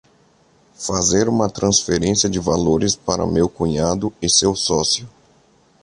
Fazer uma transferência de valores para meu cunhado e seu sócio